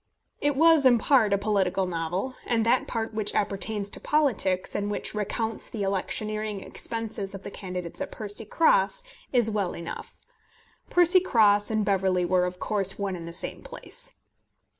It was in part a political novel; and that part which appertains to politics, and which recounts the electioneering experiences of the candidates at Percycross, is well enough. Percycross and Beverley were, of course, one and the same place.